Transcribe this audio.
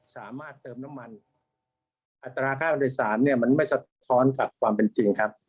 สามารถเติมน้ำมันอัตราค่าโดยสารเนี่ยมันไม่สะท้อนกับความเป็นจริงครับ